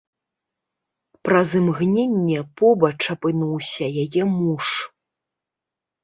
Праз імгненне побач апынуўся яе муж.